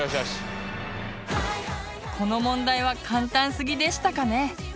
この問題は簡単すぎでしたかね。